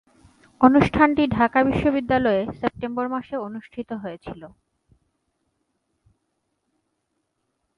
অনুষ্ঠানটি ঢাকা বিশ্ববিদ্যালয়ে সেপ্টেম্বর মাসে অনুষ্ঠিত হয়েছিলো।